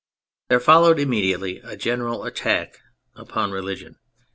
There followed immediately a general attack upon religion.